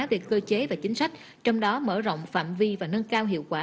về cơ chế và chính sách trong đó mở rộng phạm vi và nâng cao hiệu quả